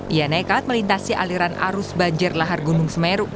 ia nekat melintasi aliran arus banjir lahar gunung semeru